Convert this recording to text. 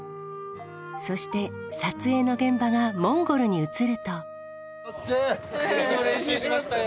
そして撮影の現場がモンゴルに移ると結構練習しましたよ